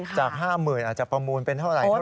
จาก๕๐๐๐อาจจะประมูลเป็นเท่าไหรเท่าไ